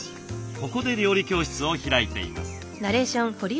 ここで料理教室を開いています。